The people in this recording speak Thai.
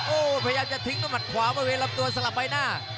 โอ้พยายามจะทิ้งต้นหมัดขวาเมื่อเวลาตัวสลับไปหน้า